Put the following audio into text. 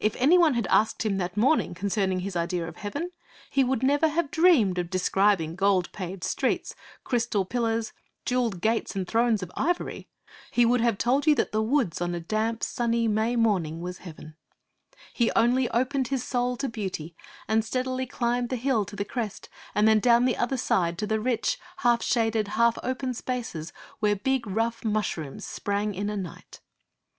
If any one had asked him that morning concerning his idea of heaven, he would never have dreamed of describing gold paved streets, crystal pillars, jewelled gates, and thrones of ivory. He would have told you that the woods on a damp sunny May morning was heaven. He only opened his soul to beauty, and steadily climbed the hill to the crest, and then down the other side to the rich, half shaded, half open spaces, where big, rough mushrooms sprang in a night.'